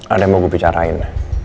ada yang mau gue bicarain